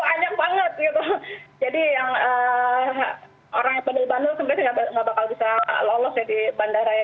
jadi yang orang yang bandul bandul sebenarnya nggak bakal bisa lolos ya di bandara ya